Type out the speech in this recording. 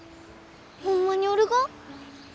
ホンマにおるが？